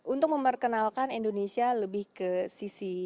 untuk memperkenalkan indonesia lebih ke sisi